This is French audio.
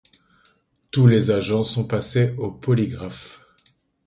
Tous les agents sont passés au polygraphe.